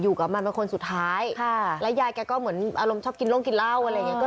อยู่กับมันเป็นคนสุดท้ายค่ะแล้วยายแกก็เหมือนอารมณ์ชอบกินร่มกินเหล้าอะไรอย่างเงี้ก็